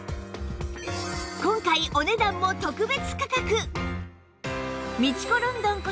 今回お値段も特別価格！